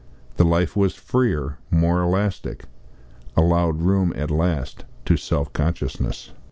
The life was freer, more elastic; allowed room at last to self consciousness.